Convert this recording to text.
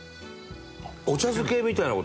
お茶漬けみたいな事？